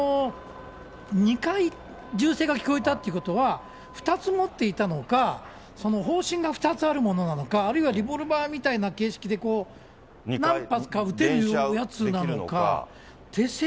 ２回、銃声が聞こえたってことは、２つ持っていたのか、砲身が２つあるものなのか、あるいはリボルバーみたいな形式で、何発か撃てるやつなのか。